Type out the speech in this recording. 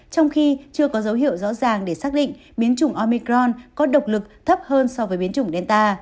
trong khi chưa có dấu hiệu rõ ràng để xác định biến chủng omicron có độc lực thấp hơn so với biến chủng delta